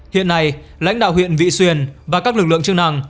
hiện nay lãnh đạo huyện vị xuyên và các lực lượng chức năng